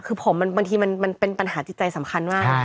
คือผมบางทีมันเป็นปัญหาจิตใจสำคัญมาก